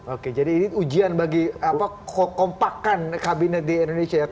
oke jadi ini ujian bagi kompakan kabinet di indonesia ya